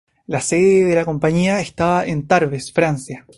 La sede de la compañía estaba en Tarbes, Francia.